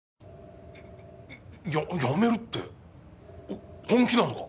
や辞めるって本気なのか？